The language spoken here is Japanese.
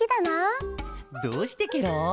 どうしてケロ？